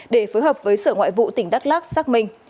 để phối hợp với sở ngoại vụ tỉnh đắk lắc xác minh